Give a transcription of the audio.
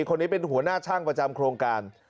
คนนี้เป็นหัวหน้าช่างประจำโครงการ